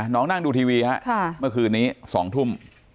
นั่งดูทีวีฮะเมื่อคืนนี้๒ทุ่ม